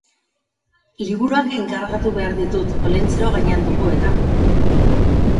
Liburuak enkargatu behar ditut; Olentzero gainean dugu eta